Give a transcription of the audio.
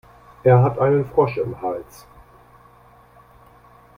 Er hat einen Frosch im Hals.